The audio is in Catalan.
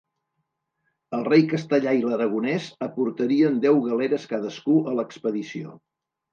El rei castellà i l'aragonès aportarien deu galeres cadascú a l'expedició.